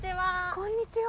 こんにちは！